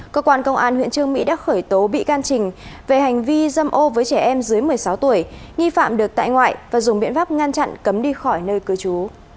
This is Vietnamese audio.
cơ quan công an huyện trương mỹ đã khởi tố bị can trình về hành vi dâm ô với trẻ em dưới một mươi sáu tuổi nghi phạm được tại ngoại và dùng biện pháp ngăn chặn cấm đi khỏi nơi cư trú